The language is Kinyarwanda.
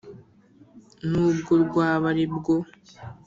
Nubwo rwaba ari bwo